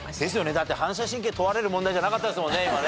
だって反射神経問われる問題じゃなかったですもんね今ね。